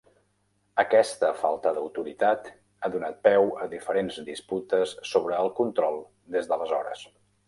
Aquesta falta d'autoritat ha donat peu a diferents disputes sobre el control des d'aleshores.